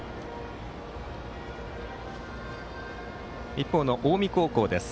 一方の近江高校です。